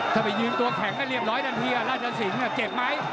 ถ้าไปยืนตัวแข็งได้เรียบร้อยทันทีราชสินเจ็บไหม